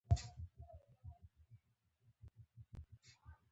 د سامانیانو د حکومت بنسټ ایښودونکی اسماعیل ساماني و.